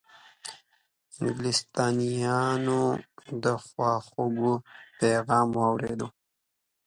انګلیسیانو د خواخوږی پیغام واورېد.